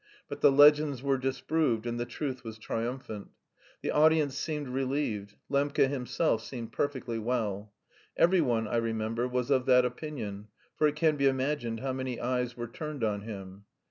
But the legends were disproved, and the truth was triumphant. The audience seemed relieved. Lembke himself seemed perfectly well. Every one, I remember, was of that opinion, for it can be imagined how many eyes were turned on him.